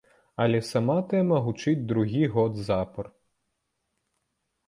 Але сама тэма гучыць другі год запар.